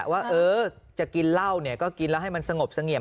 ว่าจะกินเหล้าเนี่ยก็กินแล้วให้มันสงบเสงี่ย